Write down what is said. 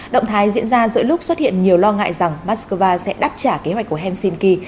động thái diễn ra giữa lúc xuất hiện nhiều lo ngại rằng moscow sẽ đáp trả kế hoạch của helsinki